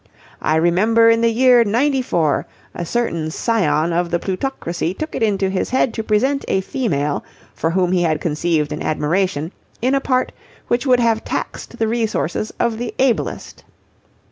I remember in the year '94 a certain scion of the plutocracy took it into his head to present a female for whom he had conceived an admiration in a part which would have taxed the resources of the ablest.